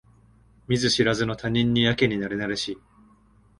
見ず知らずの他人にやけになれなれしい